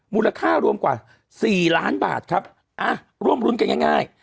มูลค่ารวมกว่า๔ล้านบาทครับอ่ะร่วมรุ้นกันง่าย